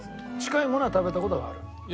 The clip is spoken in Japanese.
近いものは食べた事がある？